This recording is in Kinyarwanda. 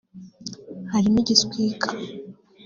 harimo igiswika